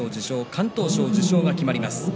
敢闘賞受賞が決まります。